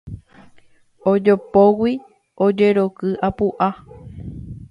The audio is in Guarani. Ojopógui ojeroky apuʼa.